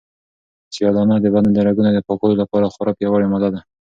سیاه دانه د بدن د رګونو د پاکوالي لپاره خورا پیاوړې ماده ده.